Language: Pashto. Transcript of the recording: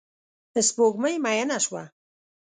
سپوږمۍ میینه شوه